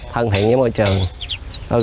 thân thiện với môi trường